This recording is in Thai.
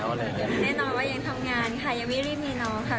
แน่นอนว่ายังทำงานค่ะยังไม่รีบมีน้องค่ะ